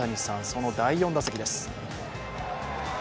その第４打席です。